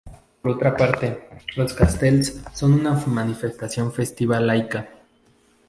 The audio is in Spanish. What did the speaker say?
Por otra parte, los Castells, son una manifestación festiva laica.